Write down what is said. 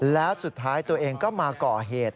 แล้วสุดท้ายตัวเองก็มาก่อเหตุ